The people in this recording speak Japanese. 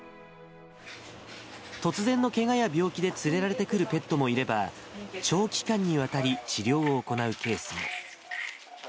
突然のけがや病気で連れられてくるペットもいれば、長期間にわたり治療を行うケースも。